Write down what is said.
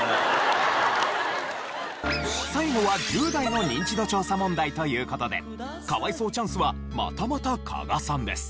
最後は１０代のニンチド調査問題という事で可哀想チャンスはまたまた加賀さんです。